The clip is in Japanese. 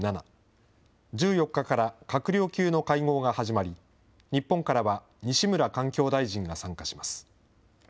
１４日から閣僚級の会合が始まり、日本からは西村環境大臣が参加します。